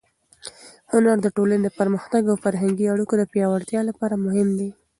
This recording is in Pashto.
هنر د ټولنې د پرمختګ او فرهنګي اړیکو د پیاوړتیا لپاره مهم دی.